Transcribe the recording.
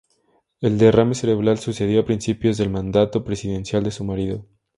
El derrame cerebral sucedió a principios del mandato presidencial de su marido.